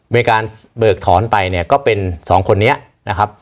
มีการเบิกถอนไปเนี่ยก็เป็นสองคนนี้นะครับ